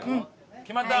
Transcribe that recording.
決まった。